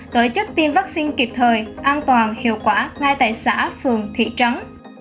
tổ chức tiêm vaccine kịp thời an toàn hiệu quả ngay tại xã phường thị trấn